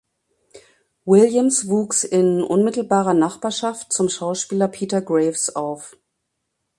Williams wuchs in unmittelbarer Nachbarschaft zum Schauspieler Peter Graves auf.